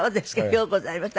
ようございました。